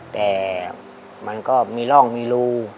แต่มันก็มีร่องมีรู